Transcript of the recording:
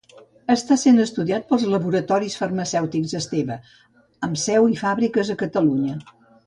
Està essent estudiat pels laboratoris farmacèutics Esteve, amb seu i fàbriques a Catalunya.